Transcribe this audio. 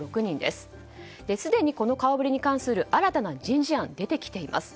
すでにこの顔触れに関する新たな人事案が出てきています。